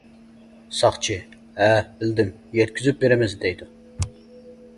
ساقچى: ھە، بىلدىم، يەتكۈزۈپ بېرىمىز دەيدۇ.